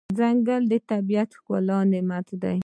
ځنګل د طبیعت ښکلی نعمت دی.